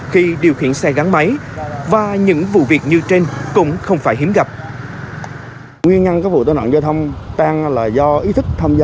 khi điều khiển trường hợp vi phạm